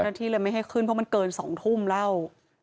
ที่เลยไม่ให้ขึ้นเพราะมันเกิน๒ทุ่มเหล้า